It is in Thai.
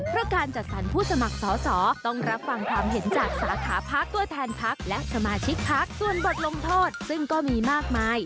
เพราะการจัดสรรผู้สมัครสอสอต้องรับฟังความเห็นจากสาขาพักตัวแทนพักและสมาชิกพักส่วนบทลงโทษซึ่งก็มีมากมาย